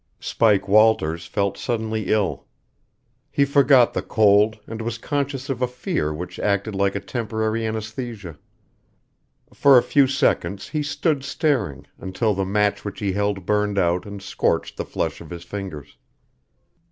Spike Walters felt suddenly ill. He forgot the cold, and was conscious of a fear which acted like a temporary anesthesia. For a few seconds he stood staring, until the match which he held burned out and scorched the flesh of his fingers.